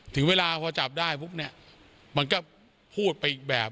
ถึงเวลาพอจับได้ปุ๊บเนี่ยมันก็พูดไปอีกแบบ